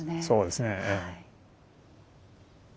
そうですねええ。